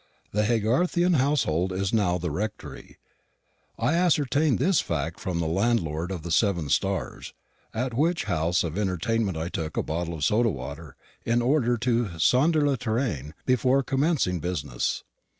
The Haygarthian household is now the rectory. I ascertained this fact from the landlord of the Seven Stars, at which house of entertainment I took a bottle of soda water, in order to sonder le terrain before commencing business.